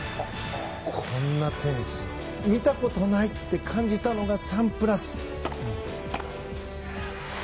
こんなテニス、見たことないって感じたのがサンプラス。